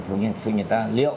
thứ nhất là người ta liệu